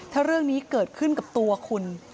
ถ้าเรื่องนี้เกิดขึ้นกับตัวคุณ